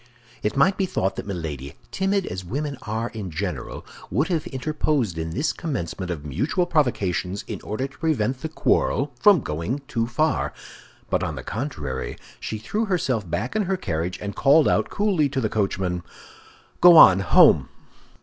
It might be thought that Milady, timid as women are in general, would have interposed in this commencement of mutual provocations in order to prevent the quarrel from going too far; but on the contrary, she threw herself back in her carriage, and called out coolly to the coachman, "Go on—home!"